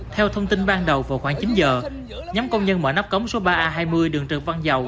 theo thông tin ban đầu vào khoảng chín giờ nhóm công nhân mở nắp cống số ba a hai mươi đường trần văn dầu